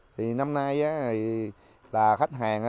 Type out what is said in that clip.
thì năm nay là khách hàng